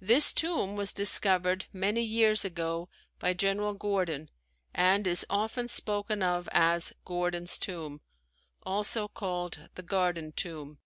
This tomb was discovered many years ago by General Gordon and is often spoken of as Gordon's Tomb, also called the Garden Tomb.